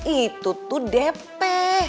itu tuh dp